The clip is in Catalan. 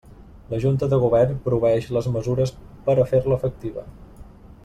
La Junta de Govern proveeix les mesures per a fer-la efectiva.